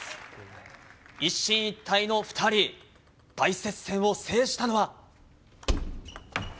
一進一退の２人、大接戦を制したのは。